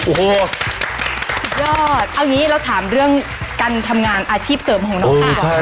โอ้โหสุดยอดเอาอย่างนี้เราถามเรื่องการทำงานอาชีพเสริมของน้องค่ะ